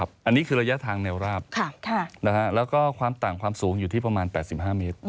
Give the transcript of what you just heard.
อันนี้คือระยะทางแนวราบแล้วก็ความต่างความสูงอยู่ที่ประมาณ๘๕เมตร